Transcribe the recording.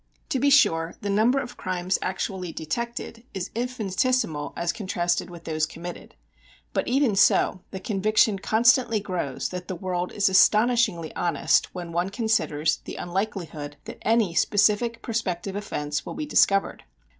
To be sure, the number of crimes actually detected is infinitesimal as contrasted with those committed, but even so the conviction constantly grows that the world is astonishingly honest when one considers the unlikelihood that any specific prospective offence will be discovered.